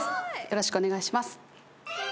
よろしくお願いします